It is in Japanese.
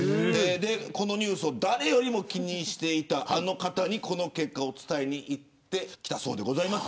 このニュースを誰よりも気にしていたあの方にこの結果を伝えに行ってきたそうです。